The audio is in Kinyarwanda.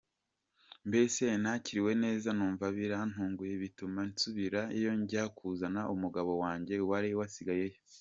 Mbese nakiriwe neza numva birantunguye bituma nsubirayo njya kuzana umugabo wanjye wari wasigayeyo.